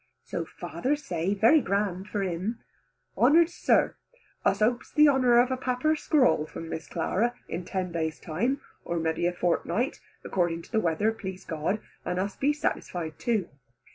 So father say, very grand for him: "Honoured sir, us hopes the honour of a papper scrawl from Miss Clara in ten days time, or may be a fortnight, according to the weather please God, and us be satisfied too.